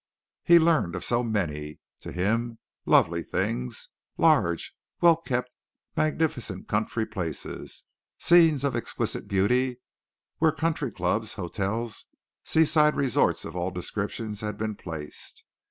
He learned of so many, to him, lovely things, large, wellkept, magnificent country places, scenes of exquisite beauty where country clubs, hotels, seaside resorts of all descriptions had been placed.